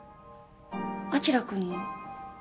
晶くんの。